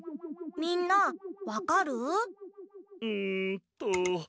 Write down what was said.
みんなわかる？んっと。